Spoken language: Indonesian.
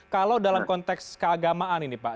kalau dalam konteks keagamaan ini pak